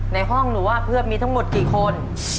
ในห้องหนูว่าเพื่อนมีทั้งหมดกี่คน